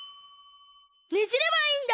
ねじればいいんだ！